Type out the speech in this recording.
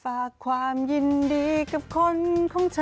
ฝากความยินดีกับคนของเธอ